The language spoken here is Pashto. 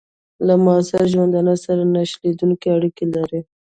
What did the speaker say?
له معاصر ژوندانه سره نه شلېدونکي اړیکي لري.